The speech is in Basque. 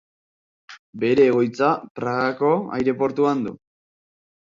Bere egoitza Pragako aireportuan du.